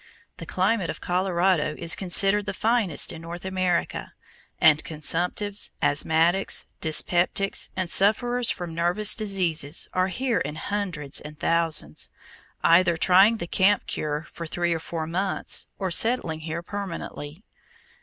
The climate of Colorado is considered the finest in North America, and consumptives, asthmatics, dyspeptics, and sufferers from nervous diseases, are here in hundreds and thousands, either trying the "camp cure" for three or four months, or settling here permanently.